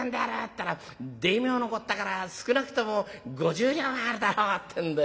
ったら『大名のこったから少なくとも５０両はあるだろう』ってんで。